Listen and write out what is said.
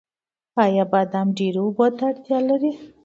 آیا بادام ډیرو اوبو ته اړتیا لري؟